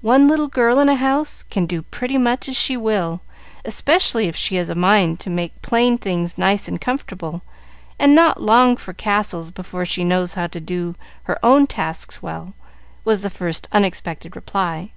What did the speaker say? One little girl in a house can do pretty much as she will, especially if she has a mind to make plain things nice and comfortable, and not long for castles before she knows how to do her own tasks well," was the first unexpected reply.